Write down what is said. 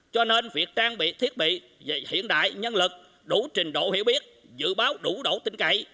cho nên việc trang bị thiết bị hiện đại nhân lực đủ trình độ hiểu biết dự báo đủ độ tin cậy